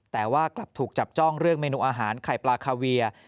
แต่ว่ากลับถูกจับจ้องเรื่องเมนูอาหารไข่ปลาคาเวีย